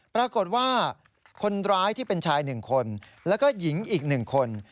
ปรากฏว่าคนร้ายที่เป็นชาย๑คนแล้วก็หญิงอีก๑คน